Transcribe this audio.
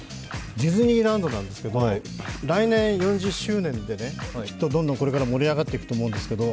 ディズニーランドなんですが、来年４０周年で、きっとどんどんこれから盛り上がっていくと思うんですけど。